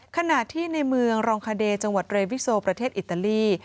ขณะที่ในเมืองรองคาเดจังหวัดเรวิโซประเทศอิตาลี